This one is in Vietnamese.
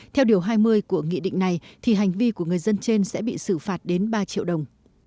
theo điều hai mươi của nghị định này thì hành vi của người dân trên sẽ bị xử phạt đến ba triệu đồng